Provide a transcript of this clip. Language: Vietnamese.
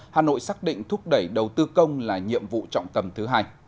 hà nội xác định thúc đẩy đầu tư công là nhiệm vụ trọng tâm thứ hai